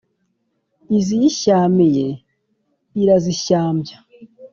iziyishyamiye irazishyambya